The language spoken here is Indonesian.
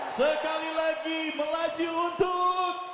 sekali lagi melaju untuk